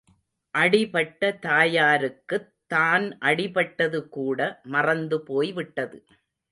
அடிபட்ட தாயாருக்குத் தான் அடிப்பட்டது கூட மறந்து போய்விட்டது.